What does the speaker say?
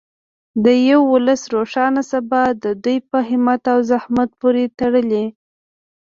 د یو ولس روښانه سبا د دوی په همت او زحمت پورې تړلې.